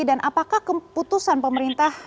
dan apakah keputusan pemerintah